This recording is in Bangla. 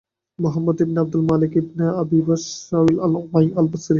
Muhammad ibn Abdul Malik ibn Abi Ash Shawarib Al Umawi al-Basri